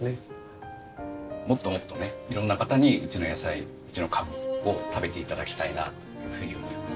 もっともっとね色んな方にうちの野菜うちのかぶを食べて頂きたいなというふうに思います。